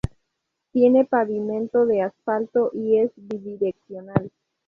Tiene pavimento de asfalto y es bidireccional.